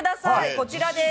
こちらです。